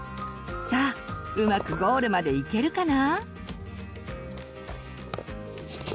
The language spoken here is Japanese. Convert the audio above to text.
さあうまくゴールまで行けるかな？